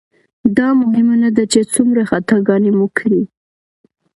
دا مهمه نه ده چې څومره خطاګانې مو کړي.